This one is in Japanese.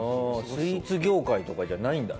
スイーツ業界とかじゃないんだね。